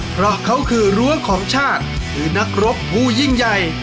เพราะเขาคือรั้วของชาติคือนักรบผู้ยิ่งใหญ่